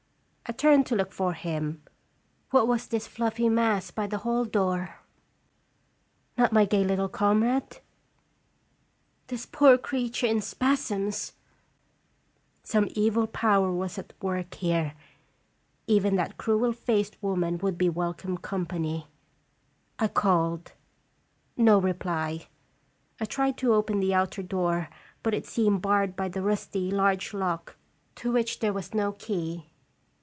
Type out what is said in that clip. I turned to look for him. What was this fluffy mass by the hall door ? Not my gay little comrade ? This poor creature in spasms ! Some evil power was at work here. Even that cruel faced woman would be welcome company. I called. No reply. I tried to open the outer door, but it seemed barred by the rusty, large lock, to which there was no key.